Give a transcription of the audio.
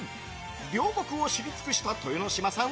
両国を知り尽くした豊ノ島さん